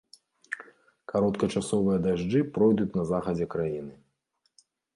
Кароткачасовыя дажджы пройдуць на захадзе краіны.